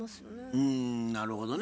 うんなるほどね。